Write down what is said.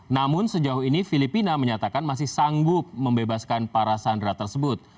namun sejauh ini filipina menyatakan masih sanggup membebaskan para sandera tersebut